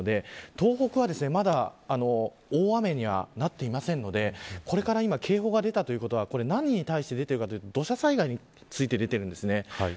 東北は、まだ大雨にはなっていませんのでこれから今警報が出たということはこれが何に対して出ているかというと、土砂災害について出ています。